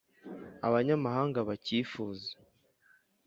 Abanyamahanga bakifuze